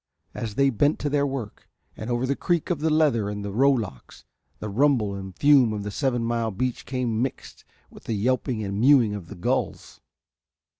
As they bent to their work and over the creak of the leather in the rowlocks the rumble and fume of the seven mile beach came mixed with the yelping and mewing of the gulls.